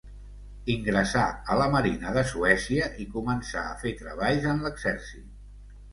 Ingressà a la Marina de Suècia i començà a fer treballs en l'exèrcit.